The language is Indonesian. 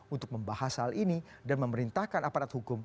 untuk membahas hal ini dan memerintahkan aparat hukum